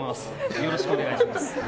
よろしくお願いします。